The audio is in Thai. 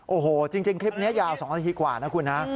โอ้โหจริงคลิปนี้ยาว๒นาทีกว่านะคุณนะ